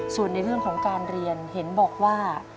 ส่วนในเรื่องของการเรียนเห็นบอกว่า